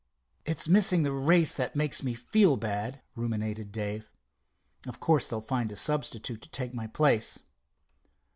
"It's missing the race that makes me feel bad," ruminated Dave. "Of course they'll find a substitute to take my place."